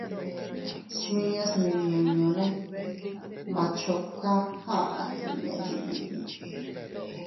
Smiñas ndimiñunne «Machuca» aʼa inña yiʼi biʼi.